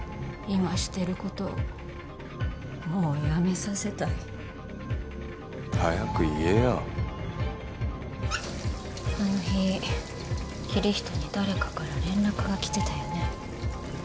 今してることをもうやめさせたい早く言えよあの日キリヒトに誰かから連絡が来てたよね